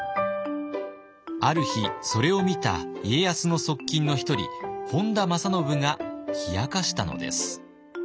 ある日それを見た家康の側近の１人本多正信が冷やかしたのです。